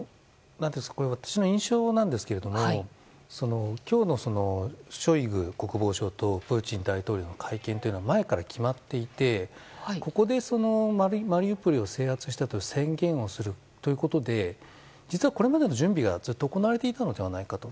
私の印象なんですけれども今日のショイグ国防相とプーチン大統領との会見は前から決まっていてここで、マリウポリを制圧したと宣言をするということで実は、これまでの準備がずっと行われていたのではないかと。